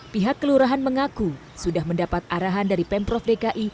pihak kelurahan mengaku sudah mendapat arahan dari pemprov dki